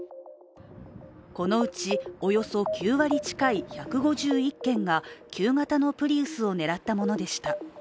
このうち、およそ９割近い１５１件が旧型のプリウスを狙ったものでした。